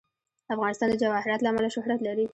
افغانستان د جواهرات له امله شهرت لري.